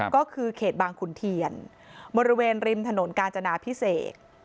ก็คือเขตบางขุนเทียนบริเวณริมถนนกาญจนาพิเศษ